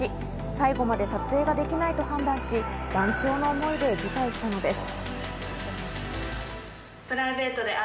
最後まで撮影ができないと判断し、断腸の思いで辞退したのです。